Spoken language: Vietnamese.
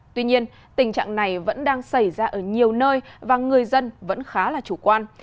tuy nhiên tình trạng này vẫn đang xảy ra ở nhiều nơi và người dân vẫn khá là chủ quan